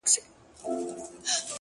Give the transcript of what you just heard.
لوړ فکر د بدلون بنسټ ږدي